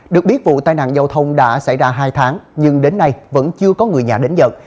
được biết vụ tai nạn giao thông đã xảy ra hai tháng nhưng đến nay vẫn chưa có người nhà đến giật